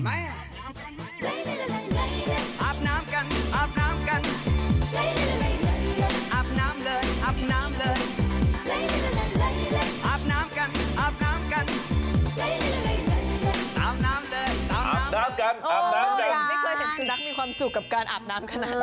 ไม่เคยเห็นสุนัขมีความสุขกับการอาบน้ำขนาดนั้น